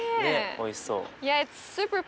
おいしそう。